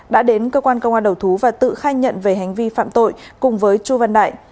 đã đến cơ quan công an đầu thú và tự khai nhận về hành vi phạm tội cùng với chu văn đại